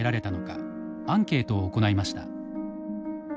アンケートを行いました。